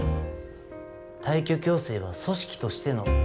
退去強制は組織としての決定です。